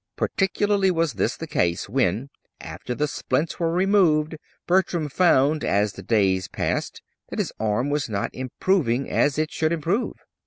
Particularly was this the case when, after the splints were removed, Bertram found, as the days passed, that his arm was not improving as it should improve.